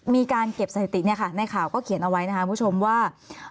มีการเก็บสถิติในข่าวก็เขียนเอาไว้นะคะผู้ชมว่า